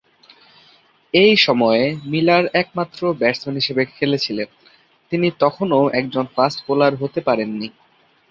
এই সময়ে, মিলার একমাত্র ব্যাটসম্যান হিসাবে খেলেছিলেন; তিনি তখনও একজন ফাস্ট বোলার হতে পারেননি।